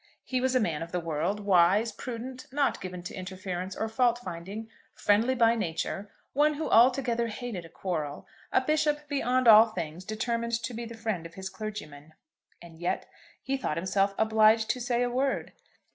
He was a man of the world, wise, prudent, not given to interference or fault finding, friendly by nature, one who altogether hated a quarrel, a bishop beyond all things determined to be the friend of his clergymen; and yet he thought himself obliged to say a word.